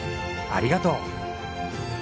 ありがとう。